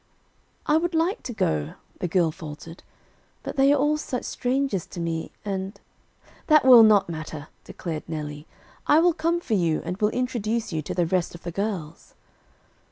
"I would like to go," the girl faltered; "but they are all such strangers to me, and" "That will not matter," declared Nellie. "I will come for you and will introduce you to the rest of the girls."